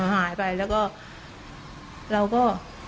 หายไปแล้วก็